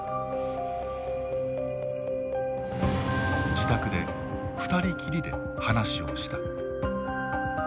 自宅で二人きりで話をした。